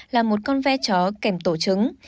là một con ve chó kèm tổ chứng